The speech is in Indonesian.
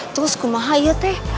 terus kumaha iya teh